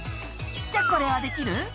「じゃこれはできる？」